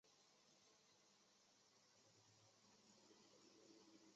普雷佩查语因塔拉斯卡国的扩张而在墨西哥西北部广泛传播。